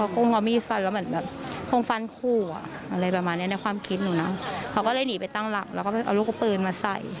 เขาก็เลยหนีไปตั้งหลักแล้วก็เอาลูกปืนมาใส่